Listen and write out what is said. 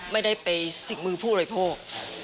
ไม่ได้ไปสิ่งมือผู้เลยพวก